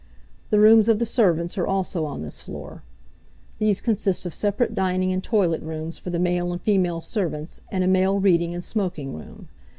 The rooms of the servants are also on this floor. These consist of separate dining and toilet rooms for the male and female servants and a male reading and smoking room.